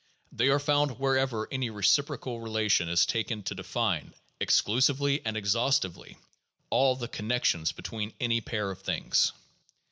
'' They are found wherever any reciprocal relation is taken to define, exclusively and exhaustively, all the con nections between any pair of things.